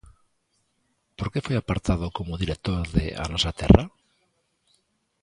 Por que foi apartado como director de A Nosa Terra?